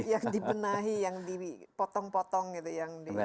yang dibenahi yang dipotong potong gitu yang di